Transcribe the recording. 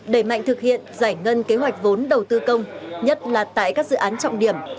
đẩy mạnh thực hiện giải ngân kế hoạch vốn đầu tư công nhất là tại các dự án trọng điểm